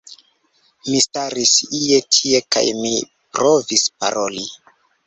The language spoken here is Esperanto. Mi staris ie tie kaj mi provis paroli